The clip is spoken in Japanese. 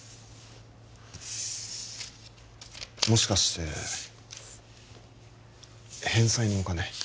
もしかして返済のお金？